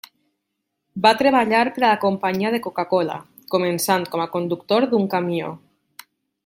Va treballar per a la companyia de Coca-Cola, començant com a conductor d'un camió.